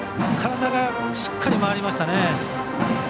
体がしっかり回りましたね。